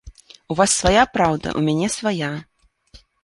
У вас свая праўда, у мяне свая.